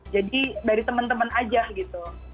jadi dari temen temen aja gitu